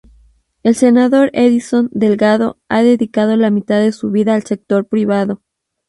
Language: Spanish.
El Senador Edinson Delgado ha dedicado la mitad de su vida al sector privado.